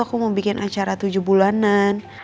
aku mau bikin acara tujuh bulanan